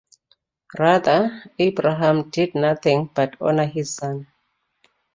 Rather, Abraham did nothing but honor his son.